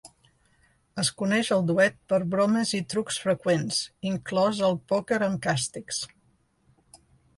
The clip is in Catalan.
Es coneix al duet per bromes i trucs freqüents, inclòs el pòquer amb càstigs.